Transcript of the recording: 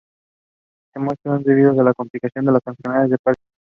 Su muerte fue debido a las complicaciones de la enfermedad de Parkinson.